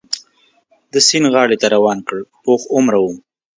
د سیند غاړې ته روان کړ، پوخ عمره و.